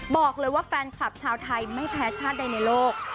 บอกเลยว่าแฟนคลับชาวไทยไม่แพ้ชาติใดในโลก